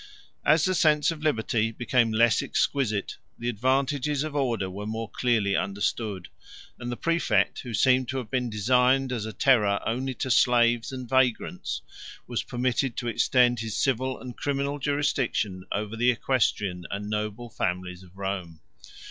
105 As the sense of liberty became less exquisite, the advantages of order were more clearly understood; and the præfect, who seemed to have been designed as a terror only to slaves and vagrants, was permitted to extend his civil and criminal jurisdiction over the equestrian and noble families of Rome.